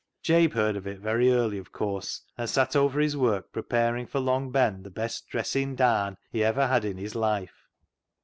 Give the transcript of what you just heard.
Jabe heard of it very early, of course, and sat over his work preparing for Long Ben the best " dressin' daan " he ever had in his life.